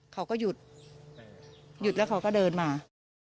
เขาก็หยุดหยุดแล้วเขาก็เดินมา